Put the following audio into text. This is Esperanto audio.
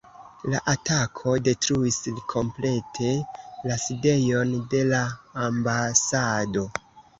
La atako detruis komplete la sidejon de la ambasado.